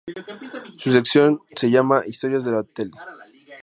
Su sección se llamaba "Historias de la Tele".